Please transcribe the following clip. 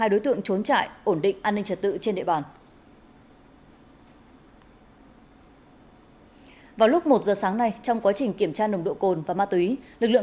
hai đối tượng trốn trại ổn định an ninh trật tự trên địa bàn